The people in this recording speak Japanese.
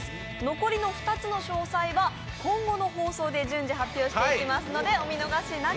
残りの２つの詳細は今後の放送で順次発表していきますので、お見逃しなく。